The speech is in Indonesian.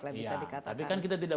bisa dikatakan tapi kan kita tidak